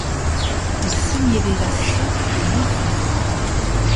Il signait déjà C. de Bonfons.